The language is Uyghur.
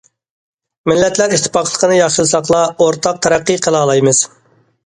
مىللەتلەر ئىتتىپاقلىقىنى ياخشىلىساقلا، ئورتاق تەرەققىي قىلالايمىز.